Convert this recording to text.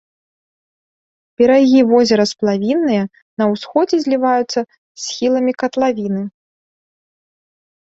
Берагі возера сплавінныя, на ўсходзе зліваюцца з схіламі катлавіны.